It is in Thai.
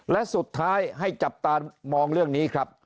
และสุดท้ายให้จับตามองเรื่องนี้ครับ